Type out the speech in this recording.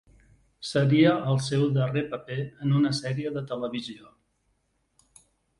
Seria el seu darrer paper en una sèrie de televisió.